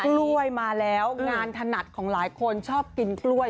กล้วยมาแล้วงานถนัดของหลายคนชอบกินกล้วย